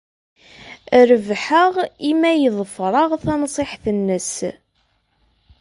Rebḥeɣ imi ay ḍefreɣ tanṣiḥt-nnes.